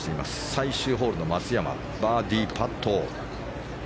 最終ホールの松山バーディーパット。